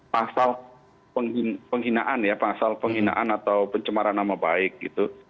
pasal penghinaan ya pasal penghinaan atau pencemaran nama baik gitu